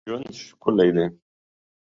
ژوند ښکلی دی